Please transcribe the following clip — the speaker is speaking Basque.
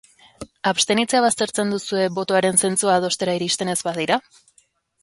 Abstenitzea baztertzen duzue, botoaren zentzua adostera iristen ez badira?